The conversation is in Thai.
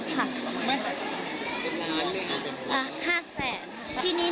เป็นร้านหรือยังคะ